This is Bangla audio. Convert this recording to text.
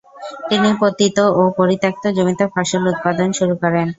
তিনি পতিত ও পরিত্যাক্ত জমিতে ফসল উৎপাদন শুরু করেন।